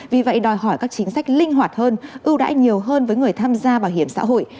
vì vậy đòi hỏi các chính sách linh hoạt hơn ưu đãi nhiều hơn với người tham gia bảo hiểm xã hội